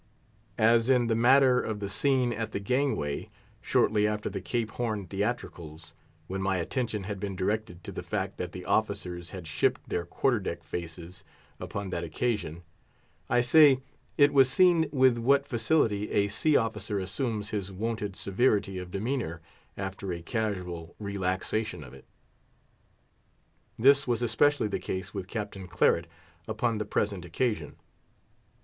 As in the matter of the scene at the gangway, shortly after the Cape Horn theatricals, when my attention had been directed to the fact that the officers had shipped their quarter deck faces—upon that occasion, I say, it was seen with what facility a sea officer assumes his wonted severity of demeanour after a casual relaxation of it. This was especially the case with Captain Claret upon the present occasion.